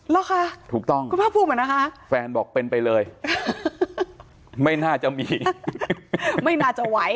เหรอคะถูกต้องคุณภาคภูมิเหมือนนะคะแฟนบอกเป็นไปเลยไม่น่าจะมีไม่น่าจะไหว